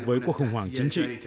với cuộc khủng hoảng chính trị